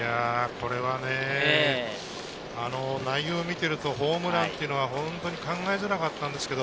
これは内容を見ているとホームランは本当に考えづらかったんですけど、